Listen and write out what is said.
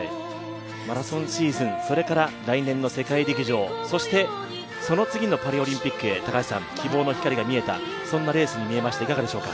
マラソンシーズン、そして世界陸上そしてその次のパリオリンピックへ希望の光が見えたレースに見えました。